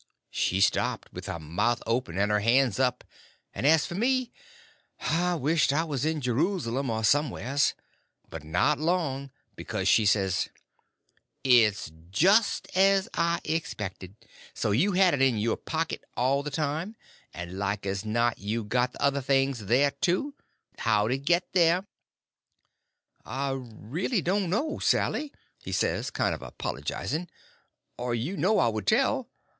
She stopped, with her mouth open and her hands up; and as for me, I wished I was in Jeruslem or somewheres. But not long, because she says: "It's just as I expected. So you had it in your pocket all the time; and like as not you've got the other things there, too. How'd it get there?" "I reely don't know, Sally," he says, kind of apologizing, "or you know I would tell.